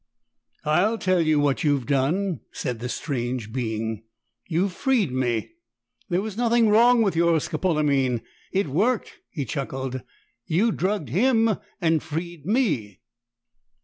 "I'll tell you what you've done!" said the strange being. "You've freed me! There was nothing wrong with your scopolamine. It worked!" He chuckled. "You drugged him and freed me!"